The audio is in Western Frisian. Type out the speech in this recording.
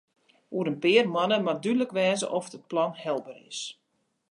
Oer in pear moanne moat dúdlik wêze oft it plan helber is.